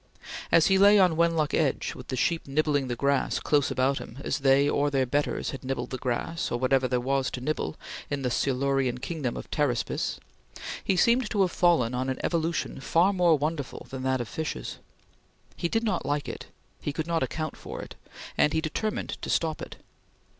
As he lay on Wenlock Edge, with the sheep nibbling the grass close about him as they or their betters had nibbled the grass or whatever there was to nibble in the Silurian kingdom of Pteraspis, he seemed to have fallen on an evolution far more wonderful than that of fishes. He did not like it; he could not account for it; and he determined to stop it.